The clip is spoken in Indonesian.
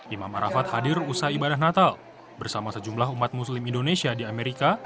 imam arafat hadir usai ibadah natal bersama sejumlah umat muslim indonesia di amerika